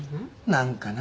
何かな。